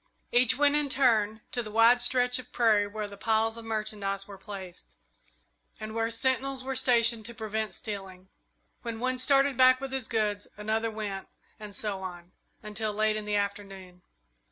Each went in turn to the wide stretch of prairie where the piles of merchandise were placed, and where sentinels were stationed to prevent stealing. When one started back with his goods, another went, and so on, until late in the afternoon.